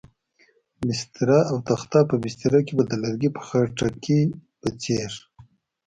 بستره او تخته، په بستره کې به د لرګي په خټکي په څېر.